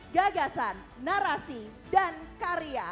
gagasan narasi dan karya